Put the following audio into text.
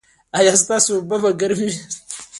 ایا ستاسو اوبه به ګرمې وي؟